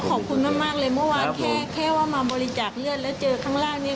ขอบคุณมากเลยเมื่อวานแค่ว่ามาบริจาคเลือดแล้วเจอข้างล่างนี้